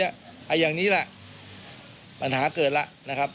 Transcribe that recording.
อย่างนี้แหละปัญหาเกิดแล้ว